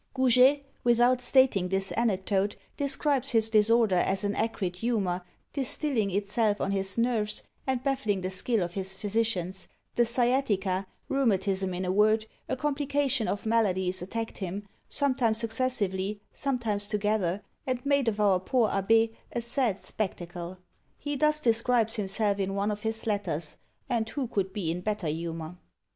Goujet, without stating this anecdote, describes his disorder as an acrid humour, distilling itself on his nerves, and baffling the skill of his physicians; the sciatica, rheumatism, in a word, a complication of maladies attacked him, sometimes successively, sometimes together, and made of our poor Abbé a sad spectacle. He thus describes himself in one of his letters; and who could be in better humour?